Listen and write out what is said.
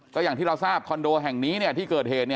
ก็อย่างที่เราทราบคอนโดแห่งนี้ที่เกิดเหตุ